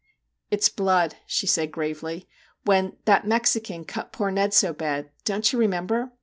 'It's blood/ she said gravely; 'when that Mexican cut poor Ned so bad don't you remember?